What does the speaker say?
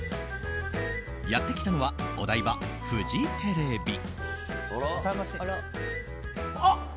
やってきたのはお台場・フジテレビ。